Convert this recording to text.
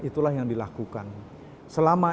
itulah yang dilakukan selama